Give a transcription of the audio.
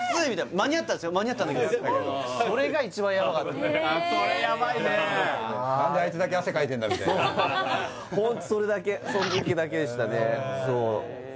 間に合ったんだけどそれが一番やばかったそれやばいね何であいつだけ汗かいてんだみたいなホントそれだけその時だけでしたね